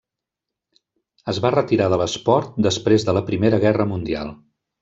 Es va retirar de l'esport després de la Primera Guerra Mundial.